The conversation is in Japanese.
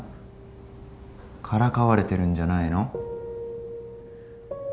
からかわれてるんじゃないの？